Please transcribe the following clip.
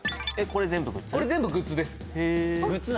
これ全部グッズです・グッズ